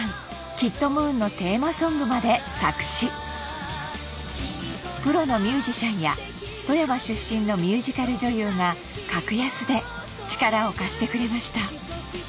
キットムーンのテーマソングまで作詞プロのミュージシャンや富山出身のミュージカル女優が格安で力を貸してくれました